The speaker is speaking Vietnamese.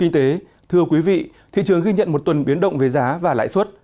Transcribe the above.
thưa quý vị thị trường ghi nhận một tuần biến động về giá và lãi suất